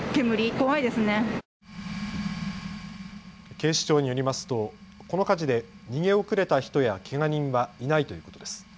警視庁によりますとこの火事で逃げ遅れた人やけが人はいないということです。